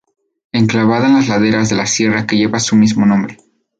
Enclavada en las laderas de la sierra que lleva su mismo nombre.